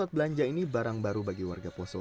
empat belanja ini barang baru bagi warga poso